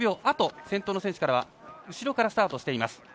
あと先頭の選手から後ろからスタートしています。